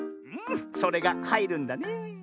それがはいるんだねえ。